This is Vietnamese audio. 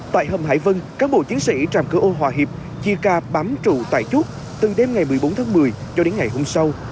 tại hầm hải vân cán bộ chiến sĩ trạm cửa ô hòa hiệp chia ca bám trụ tại chốt từ đêm ngày một mươi bốn tháng một mươi cho đến ngày hôm sau